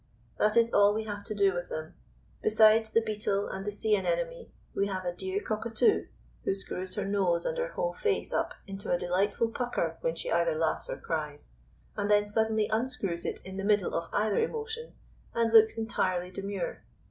That is all we have to do with them. Besides the Beetle and the Sea anemone we have a dear Cockatoo, who screws her nose and her whole face up into a delightful pucker when she either laughs or cries, and then suddenly unscrews it in the middle of either emotion and looks entirely demure.